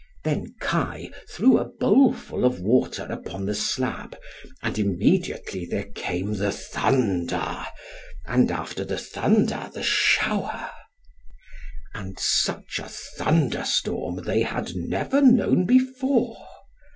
Then Kai threw a bowlful of water upon the slab, and immediately there came the thunder, and after the thunder the shower. And such a thunderstorm they had never known before.